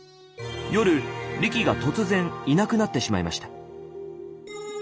夜リキが突然いなくなってしまいました。